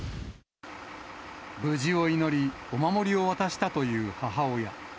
無事を祈り、お守りを渡したという母親。